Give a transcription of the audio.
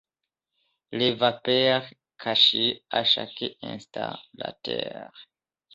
Les vapeurs cachaient à chaque instant la terre.